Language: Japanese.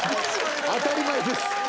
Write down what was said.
当たり前です。